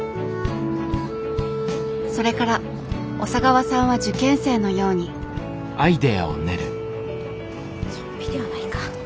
それから小佐川さんは受験生のようにゾンビではないか。